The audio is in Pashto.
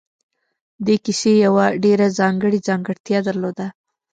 دې کیسې یوه ډېره ځانګړې ځانګړتیا درلوده